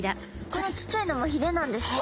このちっちゃいのもひれなんですね。